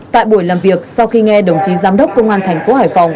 tại buổi làm việc sau khi nghe đồng chí giám đốc công an thành phố hải phòng